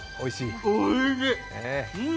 おいしい！